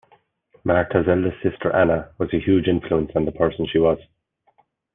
Martha's eldest sister Anna was a huge influence on the person she was.